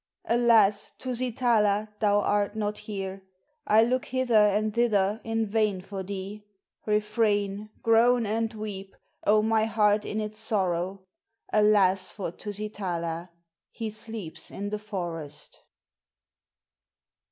Alas! Tusitala, thou art not here; I look hither and thither in vain for thee, Refrain, groan, and weep, oh, my heart in its sorrow! Alas! for Tusitala, he sleeps in the forest.